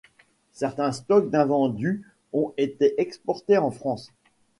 Certains stocks d'invendus ont été exportés en France.